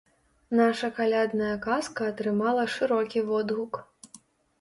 Наша калядная казка атрымала шырокі водгук.